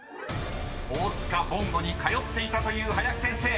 ［大塚ぼんごに通っていたという林先生］